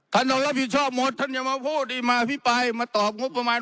ท่านต้องรับผิดชอบหมดท่านอย่ามาพูดนี่มาอภิปรายมาตอบงบประมาณ